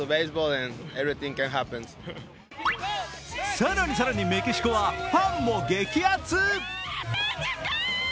更に更にメキシコはファンも激アツ。